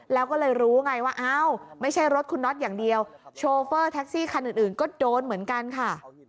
แล้วก็เลยรู้ไงว่าอ้าวไม่ใช่รถคุณน็อตอย่างเดียวโชเฟอร์แท็กซี่คันอื่นก็โดนเหมือนกันค่ะ